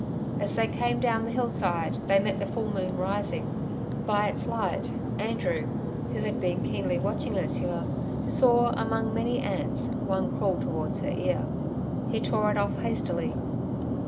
As they came down the hillside, they met the full moon rising. By its light Andrew, who had been keenly watching Ursula, saw, among many ants, one crawl towards her ear. He tore it off hastily.